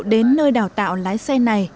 đến nơi đào tạo lái xe này